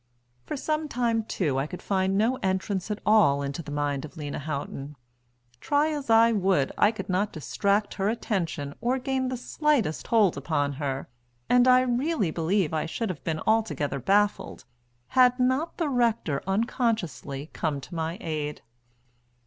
For some time, too, I could find no entrance at all into the mind of Lena Houghton. Try as I would, I could not distract her attention or gain the slightest hold upon her, and I really believe I should have been altogether baffled, had not the rector unconsciously come to my aid.